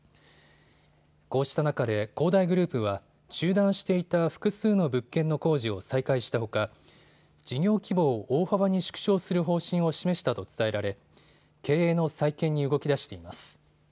こうした中で恒大グループは中断していた複数の物件の工事を再開したほか事業規模を大幅に縮小する方針を示したと伝えられ経営の再建に動きだしています。